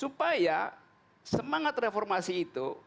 supaya semangat reformasi itu